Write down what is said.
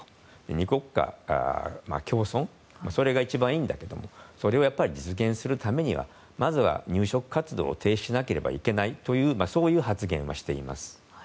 ２国家共存それが一番いいんだけどそれを実現するためにはまずは入植活動を停止しなければいけないという発言はしています。